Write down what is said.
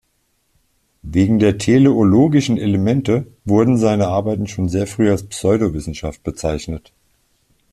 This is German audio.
Wegen der teleologischen Elemente wurden seine Arbeiten schon sehr früh als Pseudowissenschaft bezeichnet.